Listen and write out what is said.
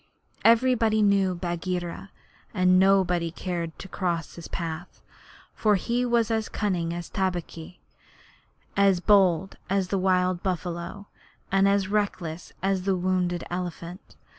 Everybody knew Bagheera, and nobody cared to cross his path; for he was as cunning as Tabaqui, as bold as the wild buffalo, and as reckless as the wounded elephant.